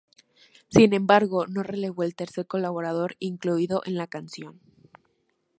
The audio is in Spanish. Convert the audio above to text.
Sin embargo, no reveló el tercer colaborador incluido en la canción.